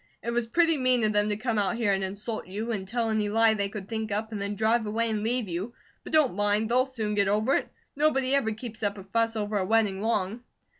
It was pretty mean of them to come out here and insult you, and tell any lie they could think up, and then drive away and leave you; but don't mind, they'll soon get over it. Nobody ever keeps up a fuss over a wedding long."